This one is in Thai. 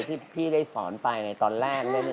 ที่พี่ได้สอนไปตอนแรก